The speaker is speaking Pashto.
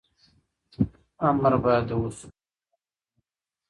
امر باید د اصولو مطابق وي.